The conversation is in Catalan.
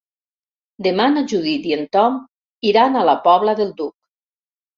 Demà na Judit i en Tom iran a la Pobla del Duc.